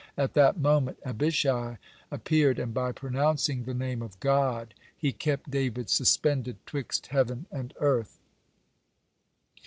At that moment Abishai appeared, and by pronouncing the Name of God he kept David suspended 'twixt heaven and earth.